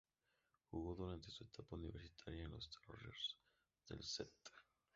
Jugó durante su etapa universitaria en los "Terriers" del St.